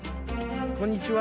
こんにちは。